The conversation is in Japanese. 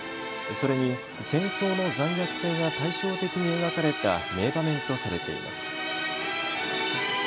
それに戦争の残虐性が対照的に描かれた名場面とされています。